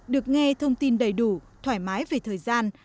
được nghe thông tin đầy đủ thoải mái về thời gian